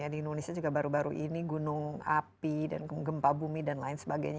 di indonesia juga baru baru ini gunung api dan gempa bumi dan lain sebagainya